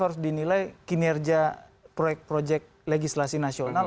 harus dinilai kinerja proyek proyek legislasi nasional